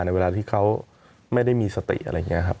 เวลาที่เขาไม่ได้มีสติอะไรอย่างนี้ครับ